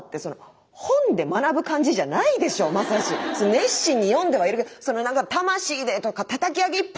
熱心に読んではいるけどなんか「魂で！」とか「たたき上げ一本で！」